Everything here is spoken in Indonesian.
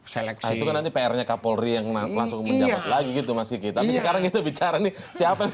seleksi pr nya kapolri yang langsung lagi gitu masih kita sekarang kita bicara nih siapa yang